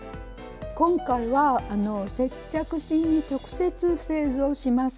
今回は接着芯に直接製図をします。